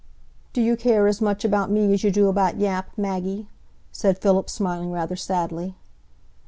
"Do you care as much about me as you do about Yap, Maggie?" said Philip, smiling rather sadly.